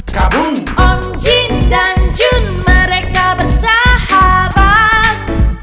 kamu om jin dan jun mereka bersahabat